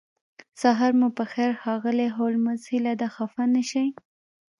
سهار مو پخیر ښاغلی هولمز هیله ده خفه نشئ